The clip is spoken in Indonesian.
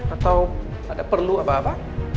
atau ada perlu apa apa